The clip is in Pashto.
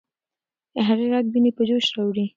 د هغې ږغ ويني په جوش راوړي.